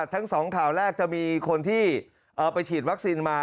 ทั้งสองข่าวแรกจะมีคนที่ไปฉีดวัคซีนมา